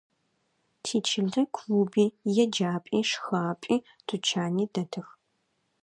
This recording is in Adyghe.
Тичылэ клуби, еджапӏи, шхапӏи, тучани дэтых.